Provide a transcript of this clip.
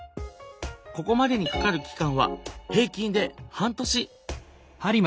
ここまでにかかる期間は平均で半年！